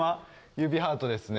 指ハートですね。